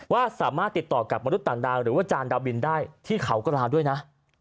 ว่าสามารถติดต่อกับมนุษย์ต่างดาวหรือว่าจานดาวบินได้ที่เขากระลาด้วยนะ